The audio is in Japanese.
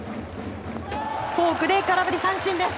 フォークで空振り三振です。